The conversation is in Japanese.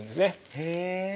へえ。